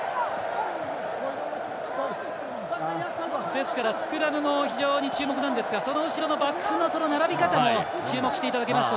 ですから、スクラムも非常に注目なんですがその後ろのバックスの並び方も注目していただけますと。